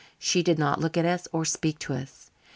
She did not look at us or speak to us.